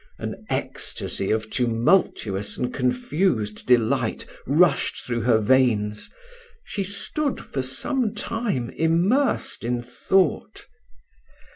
An ecstasy of tumultuous and confused delight rushed through her veins: she stood for some time immersed in thought.